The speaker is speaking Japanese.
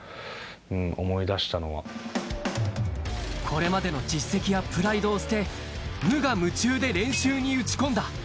これまでの実績やプライドを捨て無我夢中で練習に打ち込んだ